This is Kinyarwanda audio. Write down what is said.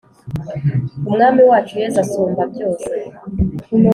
umwami wacu yesu usumba byose